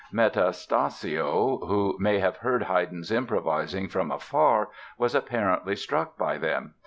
Metastasio, who may have heard Haydn's improvisings from afar, was apparently struck by them.